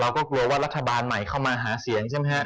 เราก็กลัวว่ารัฐบาลใหม่เข้ามาหาเสียงใช่มั้ยฮะ